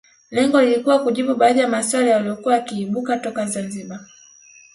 Lengo lilikuwa kujibu baadhi ya maswali yaliyokuwa yakiibuka toka Zanzibar